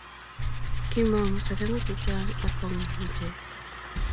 kimong'u sekemik chechang ak kongem ichek